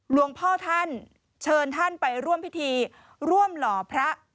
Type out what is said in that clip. หลวงพ่อท่านเชิญท่านไปร่วมพิธีร่วมหล่อพระ